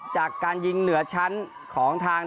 จากการยิงเหนือชั้นของทาง